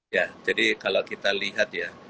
ya jadi kalau kita lihat ya